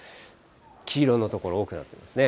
黄色の所多くなってますね。